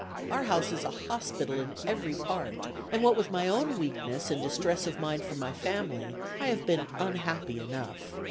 ... Our house is a hospital in every part; and what with my own weakness and distress of mind for my family, I have been unhappy enough.